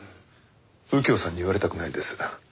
右京さんに言われたくないです。